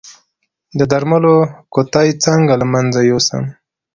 د درملو قطۍ څنګه له منځه یوسم؟